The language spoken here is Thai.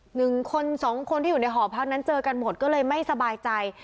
หนึ่งคนสองคนที่อยู่ในหอพักนั้นเจอกันหมดก็เลยไม่สบายใจ